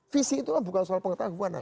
visi itu bukan soal pengetahuan anak